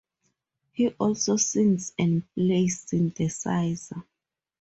He also sings and plays synthesizer.